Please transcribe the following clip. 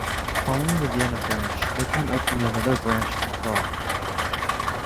Following the Vienna branch, Eichmann opened another branch in Prague.